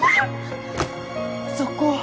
そこ